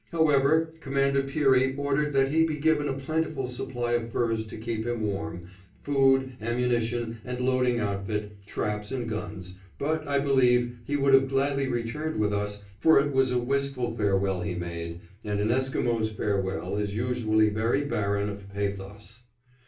However, Commander Peary ordered that he be given a plentiful supply of furs to keep him warm, food, ammunition and loading outfit, traps and guns, but, I believe, he would have gladly returned with us, for it was a wistful farewell he made, and an Esquimo's farewell is usually very barren of pathos.